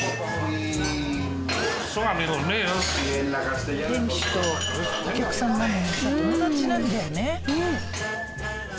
店主とお客さんなのにさ友達なんだよね。